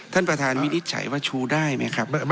ท่านประธานวินิจฉัยว่าชูได้ไหมครับ